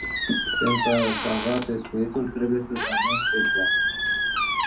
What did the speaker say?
Pentru a salva pescuitul, trebuie să salvăm specia.